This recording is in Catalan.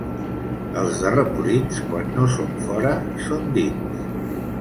Els de Remolins, quan no són fora, són dins.